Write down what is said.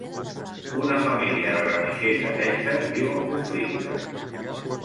Una família de ranxers a Texas viu en conflicte.